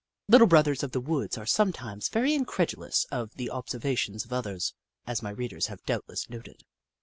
Little Brothers of the Woods are sometimes very incredulous of the observations of others, as my readers have doubtless noted.